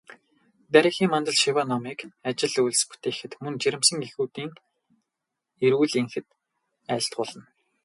Дарь эхийн мандал шиваа номыг ажил үйлс бүтээхэд, мөн жирэмсэн эхчүүдийн эрүүл энхэд айлтгуулна.